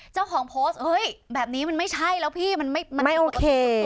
เจ้าของโพสต์เฮ้ยแบบนี้มันไม่ใช่แล้วพี่มันไม่โอเค